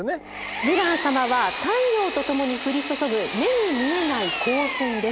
ヴィラン様は太陽と共に降り注ぐ目に見えない光線です。